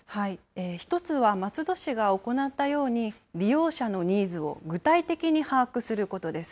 １つは松戸市が行ったように、利用者のニーズを具体的に把握することです。